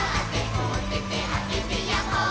「おててあげてやっほー☆」